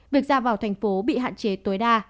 việc ra vào thành phố bị hạn chế tối đa